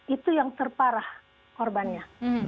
itu yang terparah korbannya